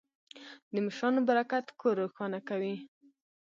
د مشرانو برکت کور روښانه کوي.